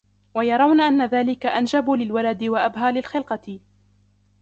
وَيَرَوْنَ أَنَّ ذَلِكَ أَنْجَبُ لِلْوَلَدِ وَأَبْهَى لِلْخِلْقَةِ